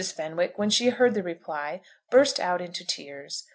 Fenwick when she heard the reply burst out into tears.